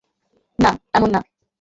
না, এমন না।